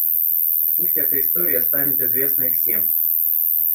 Пусть эта история станет известной всем.